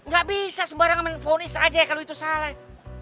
gak bisa sembarang main phone is aja kalau itu salah